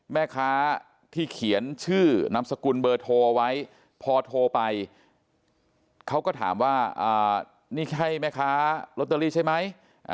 แม่ค้าที่เขียนชื่อนามสกุลเบอร์โทรเอาไว้พอโทรไปเขาก็ถามว่านี่ใช่แม่ค้าลอตเตอรี่ใช่ไหม